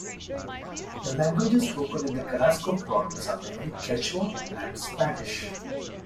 The languages spoken in the Carrasco Province are mainly Quechua and Spanish.